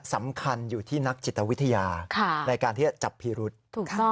สำคัญอยู่ที่นักจิตวิทยาในการที่จะจับพิรุษถูกต้อง